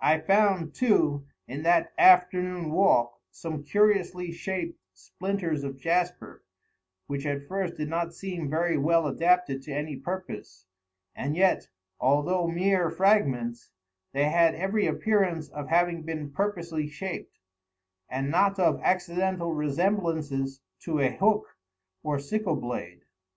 I found, too, in that afternoon walk, some curiously shaped splinters of jasper, which at first did not seem very well adapted to any purpose; and yet, although mere fragments, they had every appearance of having been purposely shaped, and not of accidental resemblances to a hook or sickle blade.